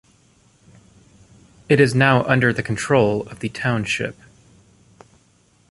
It is now under the control of the Township.